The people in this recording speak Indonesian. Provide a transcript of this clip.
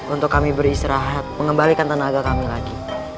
untuk kami beristirahat mengembalikan tenaga kami lagi